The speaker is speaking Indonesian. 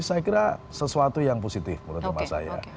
saya kira sesuatu yang positif menurut emak saya